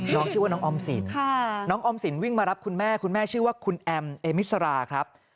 น้องชื่อว่าน้องออมสินน้องออมสินวิ่งมารับคุณแม่คุณแม่ชื่อว่าคุณแอมเอมิสราครับ